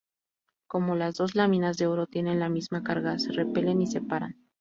Como las dos láminas de oro tienen la misma carga, se repelen y separan.